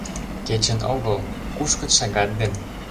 Кечын огыл, кушкыт шагат ден.